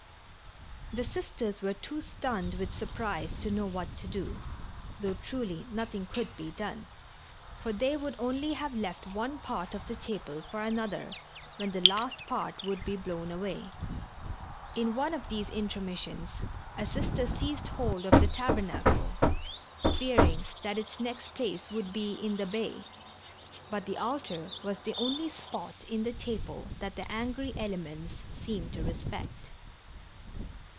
The Sisters were too stunned with surprise to know what to do, though truly nothing could be done, for they would only have left one part of the chapel for another when the last part would be blown away. In one of these intermissions a Sister seized hold of the tabernacle, fearing that its next place would be in the bay, but the altar was the only spot in the chapel that the angry elements seemed to respect.